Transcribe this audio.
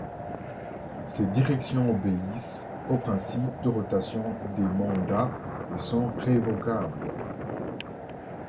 Ces directions obéissent au principe de rotation des mandats et sont révocables.